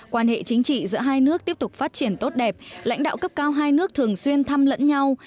quan hệ chính trị giữa hai nước tiếp tục phát triển tốt đẹp lãnh đạo cấp cao hai nước thường xuyên thăm lẫn nhau